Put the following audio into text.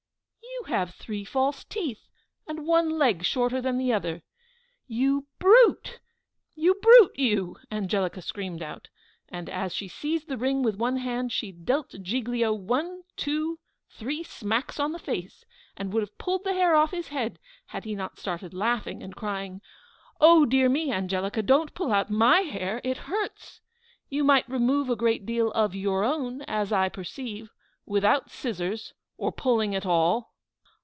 you have three false teeth and one leg shorter than the other!" "You brute, you brute you!" Angelica screamed out: and as she seized the ring with one hand, she dealt Giglio one, two, three smacks on the face, and would have pulled the hair off his head had he not started laughing, and crying, "Oh, dear me, Angelica! don't pull out my hair, it hurts! You might remove a great deal of your own, as I perceive, without scissors or pulling at all.